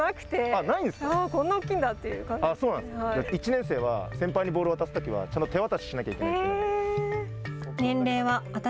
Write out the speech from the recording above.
１年生は先輩にボールを渡すときはちゃんと手渡ししないといけないんです。